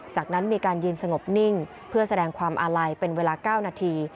จากนั้นมีการยืนสงบนิ่งเพื่อแสดงความอาลัยเป็นเวลา๙นาที